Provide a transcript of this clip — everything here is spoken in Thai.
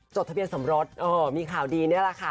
จดทะเบียนสมรสมีข่าวดีนี่แหละค่ะ